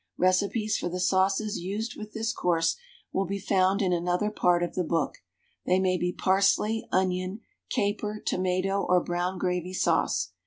Recipes for the sauces used with this course will be found in another part of the book; they may be parsley, onion, caper, tomato, or brown gravy sauce.